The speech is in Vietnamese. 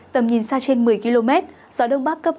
tầm nhìn xa trên một mươi km gió đông bắc cấp bốn